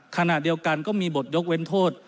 ขณะเดียวกันก็มีบทยกเว้นโทษ